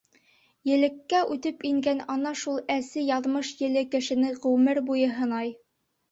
Елеккә үтеп ингән ана шул әсе яҙмыш еле кешене ғүмер буйы һынай.